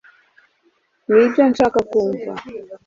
nibyo nashakaga kumva